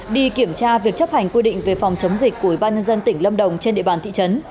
đi kiểm tra việc chấp hành quy định về phòng chống dịch của ủy ban nhân dân tỉnh lâm đồng trên địa bàn thị trấn